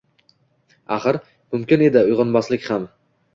Axir, mumkin edi uyg‘onmaslik ham…